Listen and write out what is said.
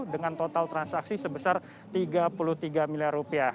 dengan total transaksi sebesar tiga puluh tiga miliar rupiah